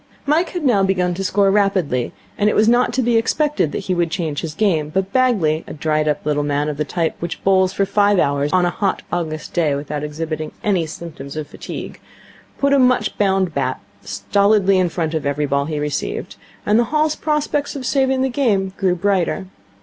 Mike had now begun to score rapidly, and it was not to be expected that he could change his game; but Bagley, a dried up little man of the type which bowls for five hours on a hot August day without exhibiting any symptoms of fatigue, put a much bound bat stolidly in front of every ball he received; and the Hall's prospects of saving the game grew brighter.